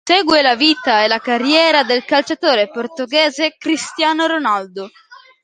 Segue la vita e la carriera del calciatore portoghese Cristiano Ronaldo.